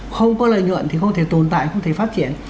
không có lợi nhuận thì không thể tồn tại không thể phát triển